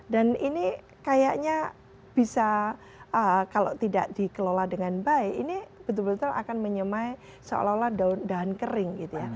dan ini kayaknya bisa kalau tidak dikelola dengan baik ini betul betul akan menyemai seolah olah dahan kering gitu ya